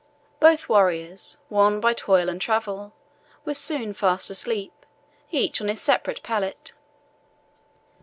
Both warriors, worn by toil and travel, were soon fast asleep, each on his separate pallet.